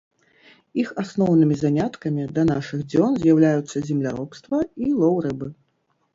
Іх асноўнымі заняткамі да нашых дзён з'яўляюцца земляробства і лоў рыбы.